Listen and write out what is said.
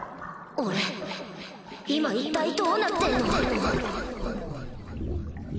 俺今一体どうなってんの？